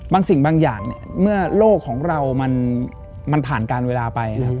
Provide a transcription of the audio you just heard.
บางสิ่งบางอย่างเมื่อโลกของเรามันผ่านการเวลาไป